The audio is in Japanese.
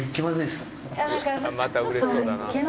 また嬉しそうだな。